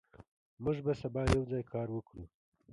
موږ به سبا یوځای کار وکړو.